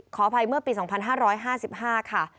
ขออภัยเมื่อปี๒๕๕๕ค่ะ